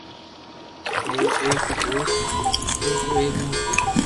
اورو ايڪ دوست ھتو جو ايڪ موٽو